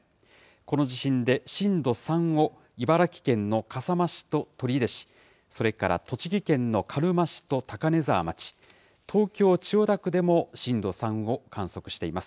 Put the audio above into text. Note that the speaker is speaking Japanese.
この地震で、震度３を茨城県の笠間市と取手市、それから栃木県の鹿沼市と高根沢町、東京・千代田区でも震度３を観測しています。